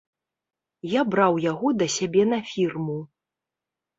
Я браў яго да сябе на фірму.